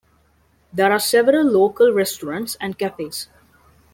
There are several local restaurants and cafes.